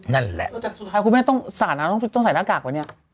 นั่นแหละสุดท้ายคุณแม่ต้องสาดนะต้องใส่หน้ากากไว้เนี่ย